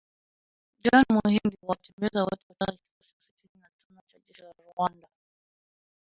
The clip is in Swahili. John Muhindi huwatembeza wote kutoka kikosi cha sitini na tano cha jeshi la Rwanda